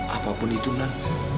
apapun itu nan